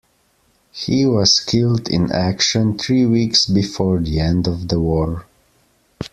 He was killed in action three weeks before the end of the war.